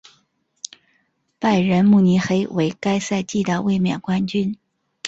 拜仁慕尼黑为该赛季的卫冕冠军。